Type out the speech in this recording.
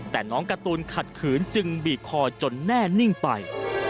แต่น้องการ์ตูนขัดขืนจึงบีบคอจนแน่นิ่งไป